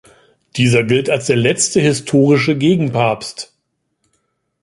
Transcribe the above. Dieser gilt als der letzte historische Gegenpapst.